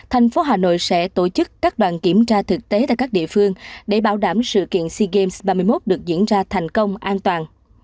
thành phố hà nội sẽ tổ chức các đoàn kiểm tra thực tế tại các địa phương để bảo đảm sự kiện sea games ba mươi một được diễn ra thành công an toàn